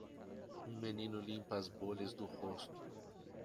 um menino limpa as bolhas do rosto.